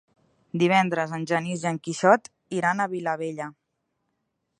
Divendres en Genís i en Quixot iran a Vilabella.